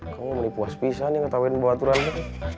kamu mau menipu asbisa nih ngetahuin bahwa aturan lu